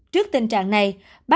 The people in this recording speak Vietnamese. trước tình trạng này